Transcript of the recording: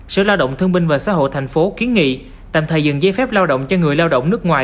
sở lao động thương minh và xã hội tp hcm kiến nghị tạm thời dừng giấy phép lao động cho người lao động nước ngoài